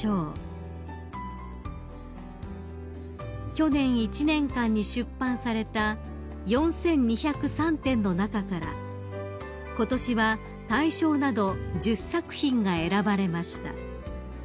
［去年一年間に出版された４，２０３点の中からことしは大賞など１０作品が選ばれました］